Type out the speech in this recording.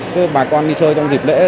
cho bà con đi chơi trong dịp lễ